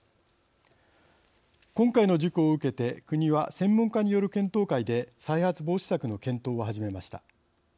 今回の事故を受けて国は専門家による検討会で再発防止策の検討を始めました。